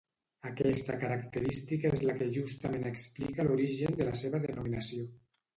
Aquesta característica és la que justament explica l'origen de la seva denominació.